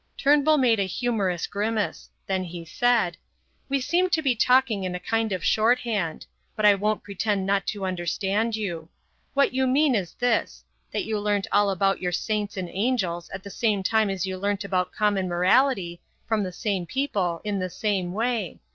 Turnbull made a humorous grimace; then he said: "We seem to be talking in a kind of shorthand; but I won't pretend not to understand you. What you mean is this: that you learnt about all your saints and angels at the same time as you learnt about common morality, from the same people, in the same way.